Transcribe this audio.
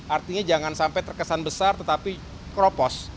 artinya jangan sampai terkesan besar tetapi keropos